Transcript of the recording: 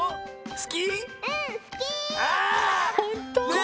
すき！